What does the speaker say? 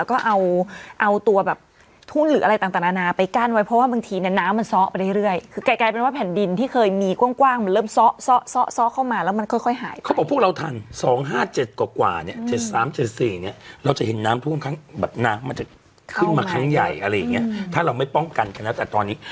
มันจะขึ้นมาครั้งใหญ่อะไรอย่างเงี้ยถ้าเราไม่ป้องกันกันแล้วแต่ตอนนี้